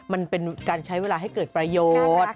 มันเป็นการใช้เวลาให้เกิดประโยชน์